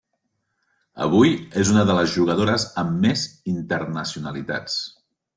Avui és una de les jugadores amb més internacionalitats.